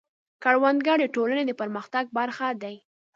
کروندګر د ټولنې د پرمختګ برخه دی